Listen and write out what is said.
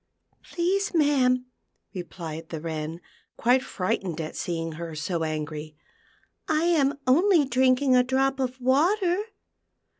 " Please, ma'am," replied the Wren, quite frightened at seeing her so angry, " I am only drinking a drop ot water."